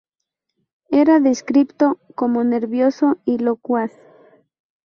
Era descripto como nervioso y locuaz.